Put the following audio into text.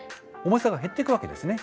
重さが減っていくわけですね。